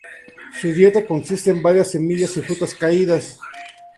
Su dieta consiste en varias semillas y frutas caídas.